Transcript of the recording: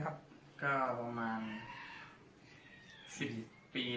ก็มีสิ่งดีเข้ามาในชีวิต